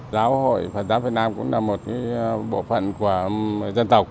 giáo hội phật giáo việt nam cũng là một bộ phận của dân tộc